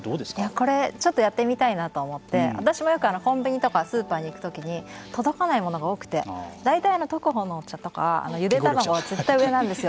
これ、ちょっとやってみたいなと思って私もよくコンビニとかスーパーに行くときに届かないものが多くて大体トクホのお茶とかゆで卵は絶対上なんですよ。